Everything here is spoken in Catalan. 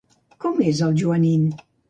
Com és en Joanín?